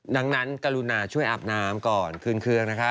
ดังนั้นกรุณาช่วยอาบน้ำก่อนขึ้นเครื่องนะคะ